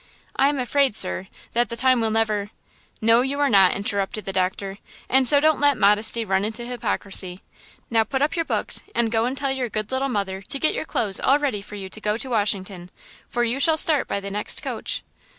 "I am afraid, sir, that that time will never–" "No, you are not!" interrupted the doctor, "and so don't let modesty run into hypocrisy. Now put up your books and go and tell your good little mother to get your clothes all ready for you to go to Washington, for you shall start by the next coach."